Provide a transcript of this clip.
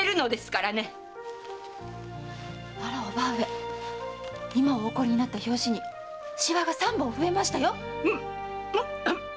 あら叔母上今お怒りになった拍子に皺が三本増えましたよ。